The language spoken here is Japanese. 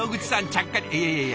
ちゃっかりいやいやいや